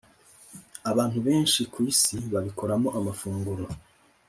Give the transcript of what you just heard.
abantu benshi ku isi babikoramo amafunguro.